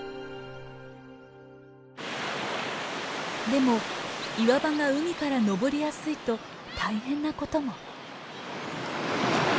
でも岩場が海から登りやすいと大変なことも。